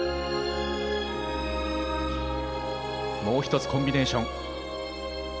もう１つコンビネーション。